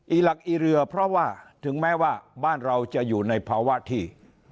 หลักอีเรือเพราะว่าถึงแม้ว่าบ้านเราจะอยู่ในภาวะที่